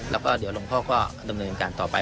แล้วก็เดี๋ยวหลวงพ่อก็ดำเนินการต่อไป